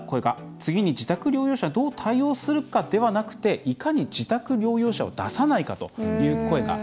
「次に、自宅療養者にどう対応するかではなくていかに、自宅療養者を出さないか」という声が。